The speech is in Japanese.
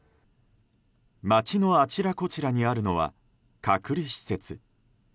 街のあちらこちらにあるのは隔離施設。